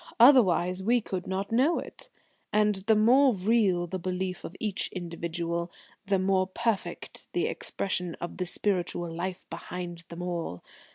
Otherwise we could not know it. And the more real the belief of each individual, the more perfect the expression of the spiritual life behind them all.